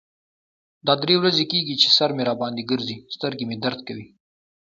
دا درې ورځې کیږی چې سر مې را باندې ګرځی. سترګې مې درد کوی.